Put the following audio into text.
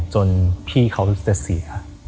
จนพี่เขารู้สึกจะเสีย